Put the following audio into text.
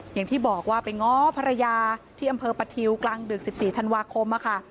อย่างที่บอกว่าไปง้อภรรยาที่อำเภอปะทิวกลางดึก๑๔ธันวาคมค่ะ